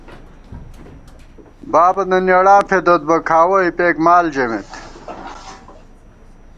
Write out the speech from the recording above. بابَنہ نېڑاں فېدوت بہ ،کھاوَہ اِپېک مال ژَمېت